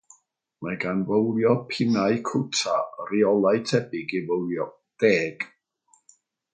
Mae gan fowlio pinnau cwta reolau tebyg i fowlio deg.